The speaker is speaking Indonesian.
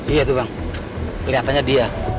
iya itu bang kelihatannya dia